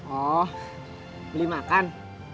oh beli makan